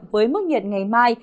với mức nhiệt ngày mai